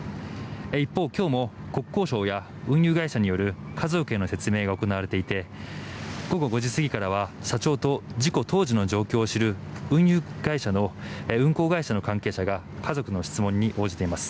一方、今日も国交省や運輸省による家族への説明が行われていて午後５時過ぎからは社長と事故当時の状況を知る運航会社の関係者が家族の質問に応じています。